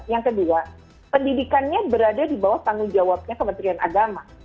yang kedua pendidikannya berada di bawah tanggung jawabnya kementerian agama